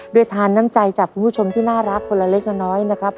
ทานน้ำใจจากคุณผู้ชมที่น่ารักคนละเล็กละน้อยนะครับ